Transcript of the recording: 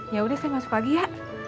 yaudah saya masuk lagi ya